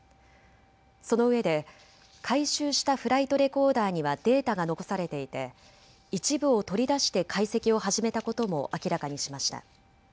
そのうえで回収したフライトレコーダーにはデータが残されていて一部を取り出して解析を始めたことも明らかにしました。